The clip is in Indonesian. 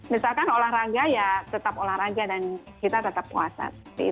misalkan olahraga ya tetap olahraga dan kita tetap puasa